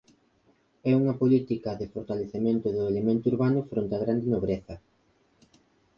É unha política de fortalecemento do elemento urbano fronte á grande nobreza.